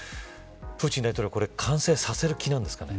プーチン大統領これ完成させる気なんですかね。